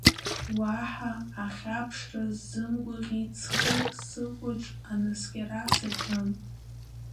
Уаҳа ахьаԥшра сзымгуаӷьит, схы сыкуаҽ анаскьара саҿын.